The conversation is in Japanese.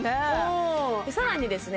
うんさらにですね